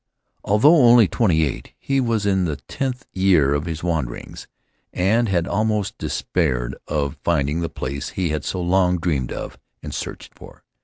Although only twenty eight, he was in the tenth year of his wanderings, and had almost despaired of finding the place he had so long dreamed of and searched for.